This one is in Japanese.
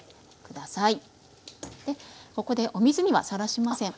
ここでお水にはさらしません。